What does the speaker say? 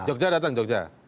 jogja datang jogja